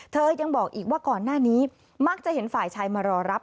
ยังบอกอีกว่าก่อนหน้านี้มักจะเห็นฝ่ายชายมารอรับ